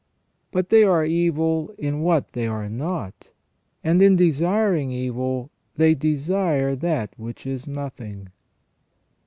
But they are evil in what they are not, and in desiring evil, they desire that which is nothing.